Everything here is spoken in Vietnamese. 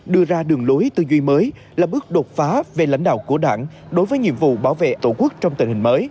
đưa ra đường lối tư duy mới là bước đột phá về lãnh đạo của đảng đối với nhiệm vụ bảo vệ tổ quốc trong tình hình mới